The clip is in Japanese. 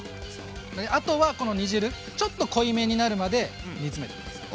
あとはこの煮汁ちょっと濃いめになるまで煮詰めて下さい。